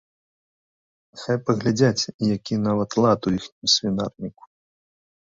Хай паглядзяць, які нават лад у іхнім свінарніку.